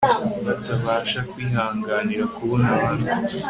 batabasha kwihanganira kubona abandi